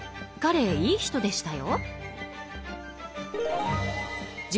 彼もいい人でしたよ。